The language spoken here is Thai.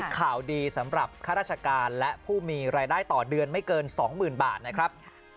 ข่าวดีสำหรับข้าราชการและผู้มีรายได้ต่อเดือนไม่เกิน๒๐๐๐บาทนะครับ